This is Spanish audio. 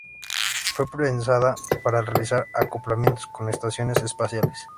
Fue pensada para realizar acoplamientos con estaciones espaciales.